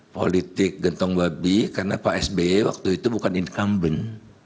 politik gentong babi karena pak sby waktu itu bukan incumbent